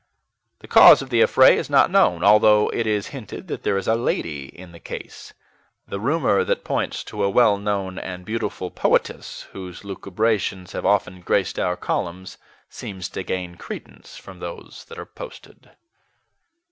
The cause of the affray is not known, although it is hinted that there is a lady in the case. The rumor that points to a well known and beautiful poetess whose lucubrations have often graced our columns seems to gain credence from those that are posted."